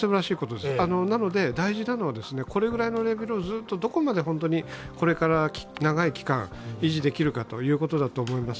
ですので大事なのはこれぐらいのレベルをどこまでこれから長い期間維持できるかということだと思います。